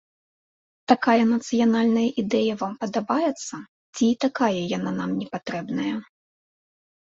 Такая нацыянальная ідэя вам падабаецца ці і такая яна нам не патрэбная?